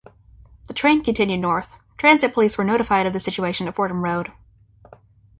The train continued north; transit police were notified of the situation at Fordham Road.